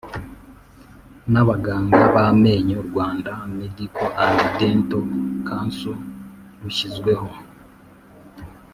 n Abaganga b Amenyo Rwanda Medical and Dental Council rushyizweho